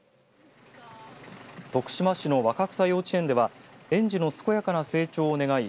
徳島市のわかくさ幼稚園では園児の健やかな成長を願い